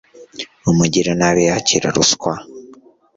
umugiranabi yakira ruswa